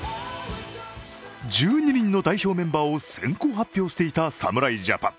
１２人の代表メンバーを先行発表していた侍ジャパン。